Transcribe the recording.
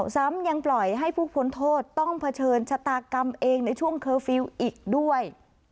ซ้ำยังปล่อยให้ผู้พ้นโทษต้องเผชิญชะตากรรมเองในช่วงเคอร์ฟิลล์อีกด้วย